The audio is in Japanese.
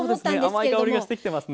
甘い香りがしてきてますね。